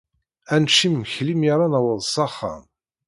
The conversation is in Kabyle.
Ad necc imekli mi ara naweḍ s axxam.